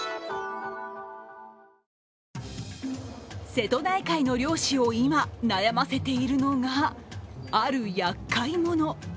瀬戸内海の漁師を今、悩ませているのが、あるやっかい者。